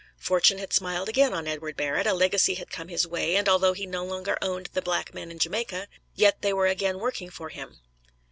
Fortune had smiled again on Edward Barrett a legacy had come his way, and although he no longer owned the black men in Jamaica, yet they were again working for him.